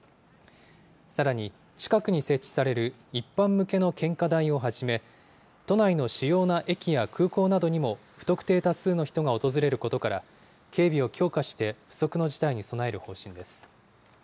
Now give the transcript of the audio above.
さらに近くに設置される一般向けの献花台をはじめ、都内の主要な駅や空港などにも、不特定多数の人が訪れることから、警備を強化して、不測の事態に備える方針です。